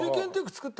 作った。